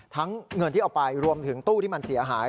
เงินที่เอาไปรวมถึงตู้ที่มันเสียหาย